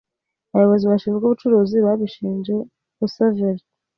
Abayobozi bashinzwe ubucuruzi babishinje Roosevelt.